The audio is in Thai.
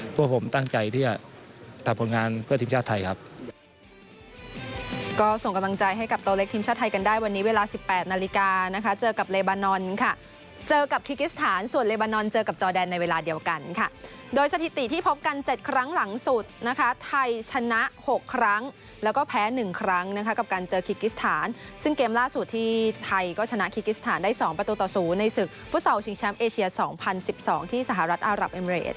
ตัวผมตั้งใจที่จะตัดผลงานเพื่อทีมชาติไทยครับ